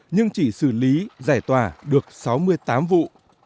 nhưng chỉ xử lý giải tỏa được sáu mươi tám vụ